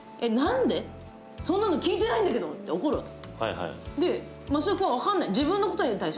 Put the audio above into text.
え、なんで、そんなの聞いてないんだけどって怒るわけ。